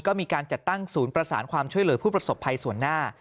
ก็มีการจัดตั้งศูนย์ประสานความช่วยเหลือผู้ประสบภัยส่วนหน้า